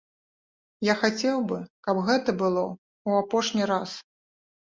Я хацеў бы, каб гэта было ў апошні раз.